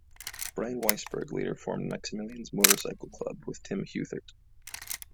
Bryan Weisberg later formed Maximillion's Motorcycle Club with Tim Huthert.